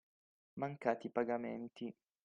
Mancati pagamenti